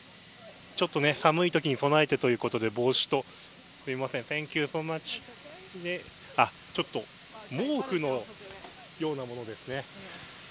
ちょっと寒いときに備えてということで帽子と毛布のようなものですね。